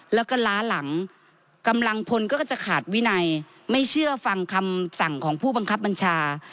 แล้วก็ล้าหลังกำลังพลก็จะขาดวินัยไม่เชื่อฟังคำสั่งของผู้บังคับบัญชา